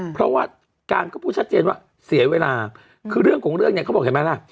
เพราะว่าการก็พูดชัดเจนว่าเสียเวลาคือเรื่องของเรื่องเนี่ยเขาบอกเห็นไหมล่ะ